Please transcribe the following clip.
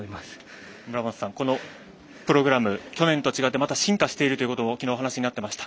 村元さん、このプログラム去年と違ってまた進化しているということをきのうお話になっていました。